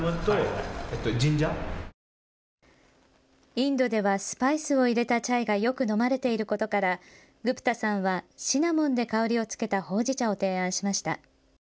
インドではスパイスを入れたチャイがよく飲まれていることからグプタさんはシナモンで香りをつけたほうじ茶を提案しました。